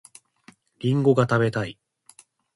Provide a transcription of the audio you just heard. りんごが食べたい